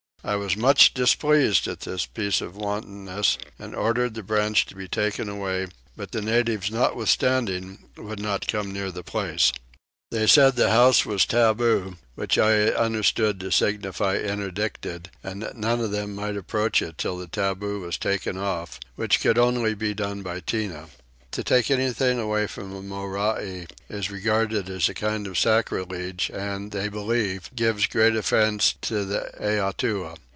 I was much displeased at this piece of wantonness and ordered the branch to be taken away; but the natives notwithstanding would not come near the place. They said the house was taboo, which I understand to signify interdicted, and that none of them might approach it till the taboo was taken off, which could only be done by Tinah. To take anything away from a Morai is regarded as a kind of sacrilege and, they believe, gives great offence to the Eatua.